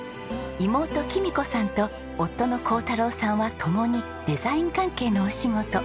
妹貴美子さんと夫の孝太郎さんは共にデザイン関係のお仕事。